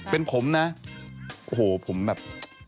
เป็นผมนะโอ้โหผมแบบ